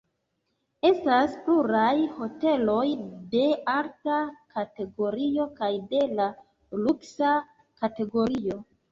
Estas pluraj hoteloj de alta kategorio kaj de la luksa kategorio.